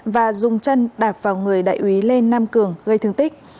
và dùng chân đạp vào người đại úy lê nam cường gây thương tích